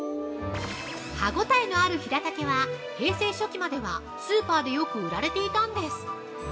◆歯応えあるひらたけは、平成初期までは、スーパーでよく売られていたんです。